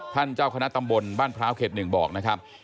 ท่านเจ้าคณะตำบลบ้านพร้าวเข็ดหนึ่งบอกนะครับ